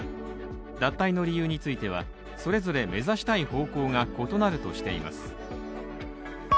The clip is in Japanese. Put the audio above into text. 脱退の理由については、それぞれ目指したい方向が異なるとしています。